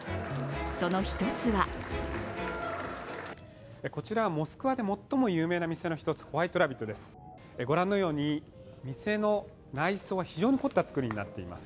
その一つはこちらモスクワで最も有名な店の一つ、ホワイト・ラビットです、御覧のように店の内装は非常に凝った作りになっています。